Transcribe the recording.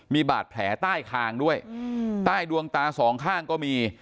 มีบาดแผลใต้คางด้วยใต้ดวงตาสองข้างก็มี